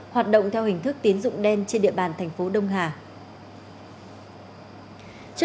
hoạt động theo hình thức tín dụng đen trên địa bàn thành phố đông hà